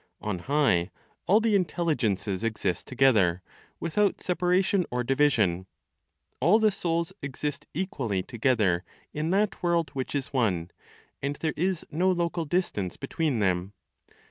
On high, all the intelligences exist together, without separation or division; all the souls exist equally together in that world which is one, and there is no local distance between them.